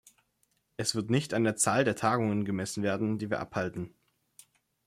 Er wird nicht an der Zahl der Tagungen gemessen werden, die wir abhalten.